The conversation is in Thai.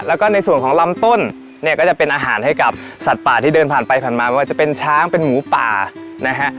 แล้วก็ในส่วนของลำต้นเนี่ยก็จะเป็นอาหารให้กับสัตว์ป่าที่เดินผ่านไปผ่านมาไม่ว่าจะเป็นช้างเป็นหมูป่านะฮะ